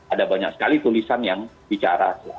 ada banyak sekali tulisan yang bicara